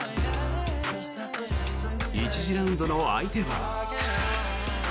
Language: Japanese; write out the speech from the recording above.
１次ラウンドの相手は。